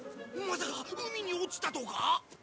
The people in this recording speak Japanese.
まさか海に落ちたとか？